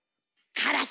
カラス！